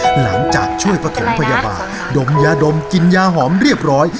หลังจากช่วยปฐมพยาบาลดมยาดมกินยาหอมเรียบร้อย